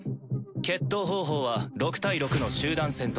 決闘方法は６対６の集団戦とする。